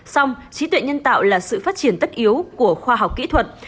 xong trí tuệ nhân tạo là sự phát triển tất yếu của khoa học kỹ thuật